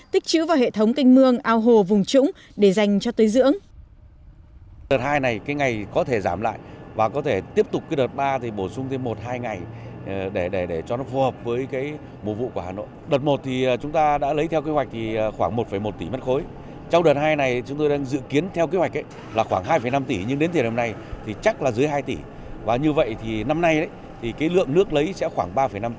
tích chứ vào hệ thống canh mương ao hồ vùng trũng để dành cho tới dưỡng